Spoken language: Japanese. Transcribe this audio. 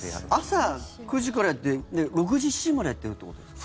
朝９時からやって６時、７時までやってるってことですか？